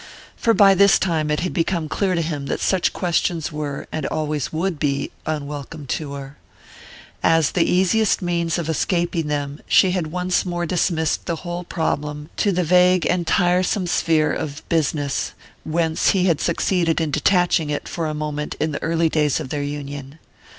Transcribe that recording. For by this time it had become clear to him that such questions were, and always would be, unwelcome to her. As the easiest means of escaping them, she had once more dismissed the whole problem to the vague and tiresome sphere of "business," whence he had succeeded in detaching it for a moment in the early days of their union.